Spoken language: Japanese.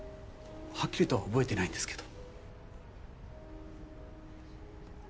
はっきりとは覚えてないんですけど。